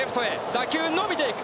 打球、伸びていく。